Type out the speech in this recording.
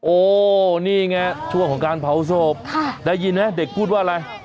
โอ้นี่ไงช่วงของการเผาศพได้ยินไหมเด็กพูดว่าอะไร